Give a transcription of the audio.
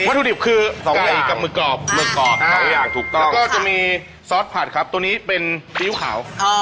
วัตถุดิบคือ๒อย่างมือกรอบแล้วก็จะมีซอสผัดครับตัวนี้เป็นสียูขาว